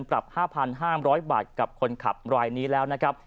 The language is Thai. ปรับ๕๕๐๐บาทกับคนขับรายนี้แล้วนะครับ